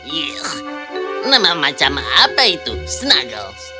yes nama macam apa itu snuggles